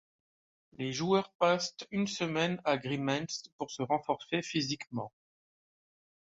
Les joueurs passent une semaine à Grimentz pour se renforcer physiquement.